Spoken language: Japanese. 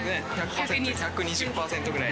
１２０％ぐらい。